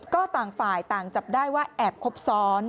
ก็ต่างฝ่ายต่างจับได้ว่าแอบครบซ้อน